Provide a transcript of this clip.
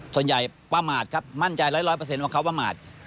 ส่วนใหญ่ประมาทครับมั่นใจร้อยเปอร์เซ็นต์ว่าเขาประมาท